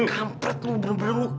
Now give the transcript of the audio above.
kampert lu bener bener lu